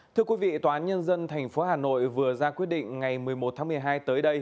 thưa quý vị tòa án nhân dân tp hà nội vừa ra quyết định ngày một mươi một tháng một mươi hai tới đây